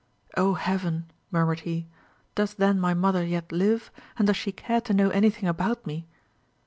"O Heaven!" murmured he, "does then my mother yet live, and does she care to know anything about me?"